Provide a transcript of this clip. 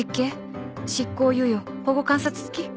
執行猶予保護観察付き？